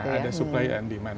ada supply and demand